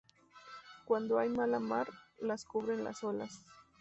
Cuando hay mala mar, las cubren las olas.